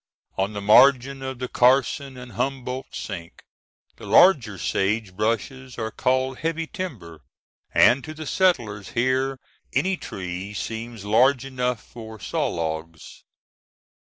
On the margin of the Carson and Humboldt Sink the larger sage bushes are called "heavy timber"; and to the settlers here any tree seems large enough for saw logs.